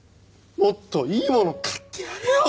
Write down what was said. もっといい物買ってやれよ！